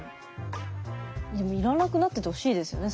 でもいらなくなっててほしいですよね。